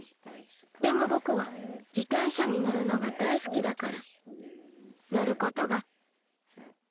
でもぼくはじてんしゃにのるのがだいすきだからのることができるんだ。